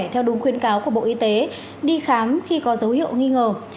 theo đúng khuyên cáo của bộ y tế đi khám khi có dấu hiệu nghi ngờ